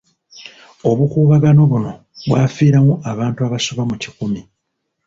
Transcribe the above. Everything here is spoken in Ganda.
Obukuubagano buno bwafiiramu abantu abaasoba mu kikumi.